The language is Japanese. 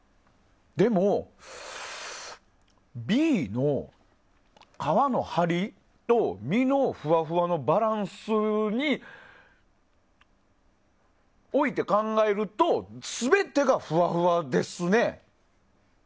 でも、Ｂの皮のハリと身のふわふわのバランスにおいて考えると全てがふわふわですね。